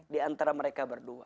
di antara mereka berdua